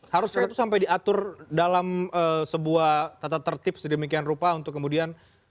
harusnya itu sampai diatur dalam sebuah tata tertib sedemikian rupa untuk kemudian